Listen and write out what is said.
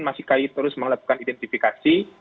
masih terus melakukan identifikasi